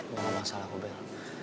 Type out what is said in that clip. gak masalah ko bel